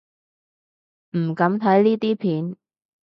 唔敢睇呢啲片